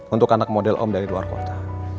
untuk anak model om dari luar kota